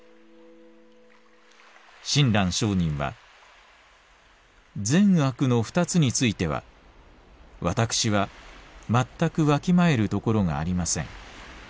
「親鸞聖人は『善悪のふたつについては私はまったくわきまえるところがありません。